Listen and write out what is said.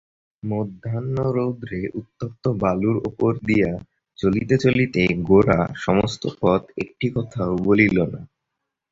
মধ্যাহ্নরৌদ্রে উত্তপ্ত বালুর উপর দিয়া চলিতে চলিতে গোরা সমস্ত পথ একটি কথাও বলিল না।